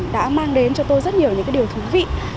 đã mang đến cho tôi rất nhiều những điều thú vị